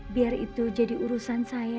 biar itu jadi urusan saya